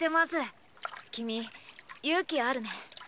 君勇気あるね。